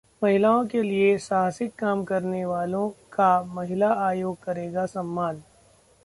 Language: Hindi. महिलाओं के लिए साहसिक काम करने वालों का महिला आयोग करेगा सम्मान